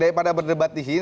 daripada berdebat di sini